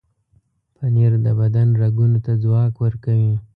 پنېر د بدن رګونو ته ځواک ورکوي.